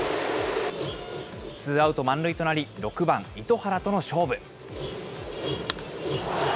ツーアウト満塁となり、６番糸原との勝負。